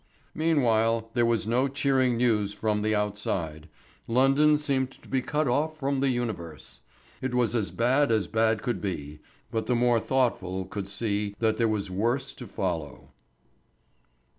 Meanwhile, there was no cheering news from the outside London seemed to be cut off from the universe. It was as bad as bad could be, but the more thoughtful could see that there was worse to follow.